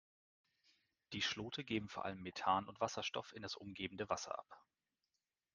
Die Schlote geben vor allem Methan und Wasserstoff in das umgebende Wasser ab.